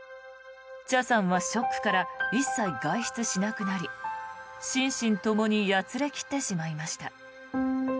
茶さんはショックから一切外出しなくなり心身ともにやつれ切ってしまいました。